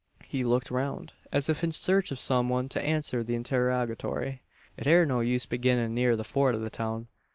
He looked round, as if in search of some one to answer the interrogatory. "It air no use beginnin' neer the Fort or the town.